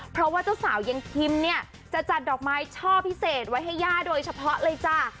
เพราะว่าเจ้าสาวยังคิมเนี่ยจะจัดดอกไม้ช่อพิเศษไว้ให้ย่าโดยเฉพาะเลยจ้ะ